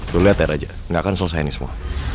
lo liat ya raja gak akan selesainya ini semua